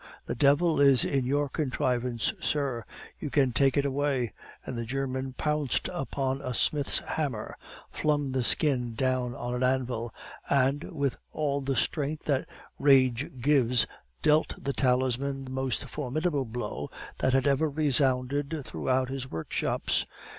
The devil is in your contrivance, sir; you can take it away," and the German pounced upon a smith's hammer, flung the skin down on an anvil, and, with all the strength that rage gives, dealt the talisman the most formidable blow that had ever resounded through his workshops.